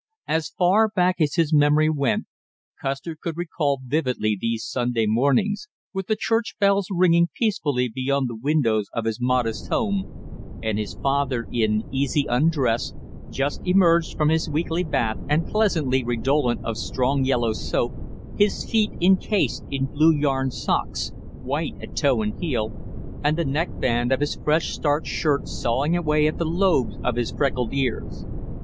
As far back as his memory went Custer could recall vividly these Sunday mornings, with the church bells ringing peacefully beyond the windows of his modest home, and his father in easy undress, just emerged from his weekly bath and pleasantly redolent of strong yellow soap, his feet incased in blue yarn socks white at toe and heel and the neckband of his fresh starched shirt sawing away at the lobes of his freckled ears.